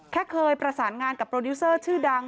แค่เคยประสานงานกับโปรดิวเซอร์ชื่อดัง